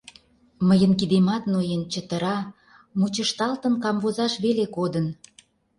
Мыйын кидемат ноен, чытыра; мучышталтын камвозаш веле кодын